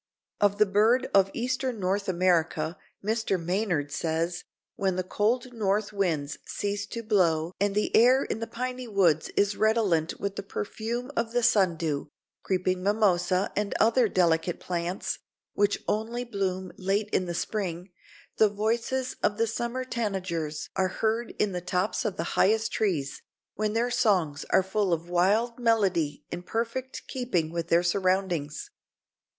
Of the bird of Eastern North America Mr. Maynard says: "When the cold north winds cease to blow and the air in the piny woods is redolent with the perfume of the sundew, creeping mimosa and other delicate plants, which only bloom late in the spring, the voices of the summer tanagers are heard in the tops of the highest trees, when their songs are full of wild melody in perfect keeping with their surroundings.